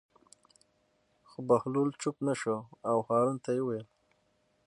خو بهلول چوپ نه شو او هارون ته یې وویل.